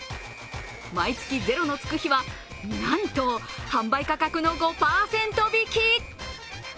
毎月ゼロのつく日はなんと販売価格の５％引き！